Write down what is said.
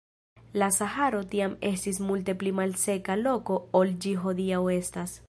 La Saharo tiam estis multe pli malseka loko ol ĝi hodiaŭ estas.